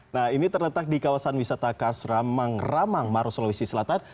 nah ini terletak di kawasan wisata kars ramang ramang maros sulawesi selatan